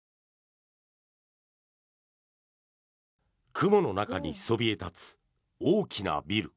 雲の中にそびえ立つ大きなビル。